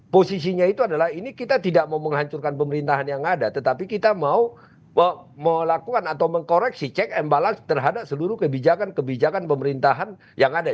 posisinya itu adalah ini kita tidak mau menghancurkan pemerintahan yang ada tetapi kita mau melakukan atau mengkoreksi check and balance terhadap seluruh kebijakan kebijakan pemerintahan yang ada